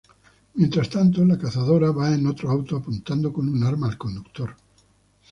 Mientras tanto, "La cazadora" va en otro auto apuntando con un arma al conductor.